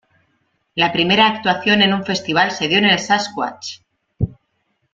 La primera actuación en un festival se dio en el Sasquatch!